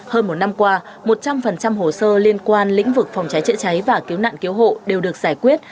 hơn một năm qua một trăm linh hồ sơ liên quan lĩnh vực phòng cháy chữa cháy và cứu nạn cứu hộ đều được giải quyết